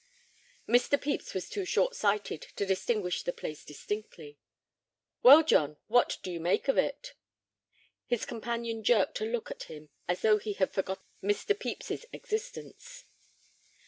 Mr. Pepys was too short sighted to distinguish the place distinctly. "Well, John, what do you make of it?" His companion jerked a look at him as though he had forgotten Mr. Pepys's existence.